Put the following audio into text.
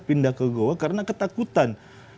pindah ke goa karena ketakutan